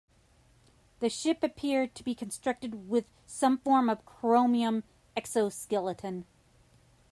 The ship appeared to be constructed with some form of chromium exoskeleton.